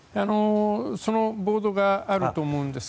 そのボードがあると思うんですが。